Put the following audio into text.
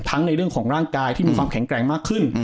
ในเรื่องของร่างกายที่มีความแข็งแกร่งมากขึ้น